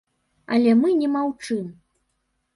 Але мы не маўчым.